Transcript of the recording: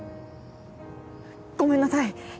ごめんなさい！